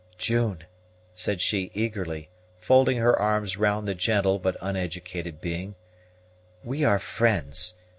"June," said she eagerly, folding her arms round the gentle but uneducated being, "we are friends.